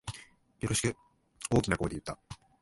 よろしく、大きな声で言った。